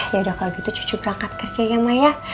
yaudah kalau gitu cucu berangkat kerja ya ma ya